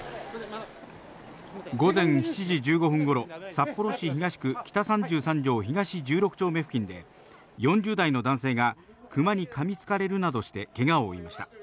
午前７時１５分頃、札幌市東区北３３条東１６丁目付近で、４０代の男性がクマに噛みつかれるなどして、けがを負いました。